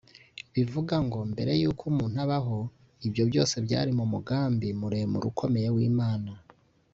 Bivuga ngo mbere y’uko umuntu abaho ibyo byose byari mu mugambi muremure ukomeye w’Imana